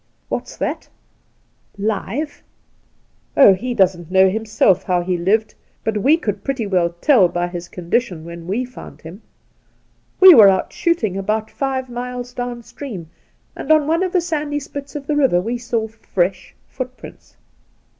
What's that ? Live ? Oh, he doesn't know himself how he lived, but we could pretty well tell by his con dition when we found him. We were out shooting about five mUes down stream, and on one of the sandy spits of the river we saw fresh footprints.